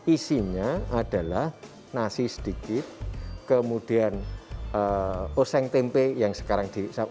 isinya adalah nasi sedikit kemudian oseng tempe yang sekarang